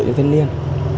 cho thanh niên